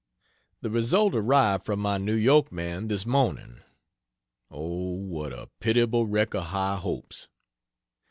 The result arrived from my New York man this morning. O, what a pitiable wreck of high hopes!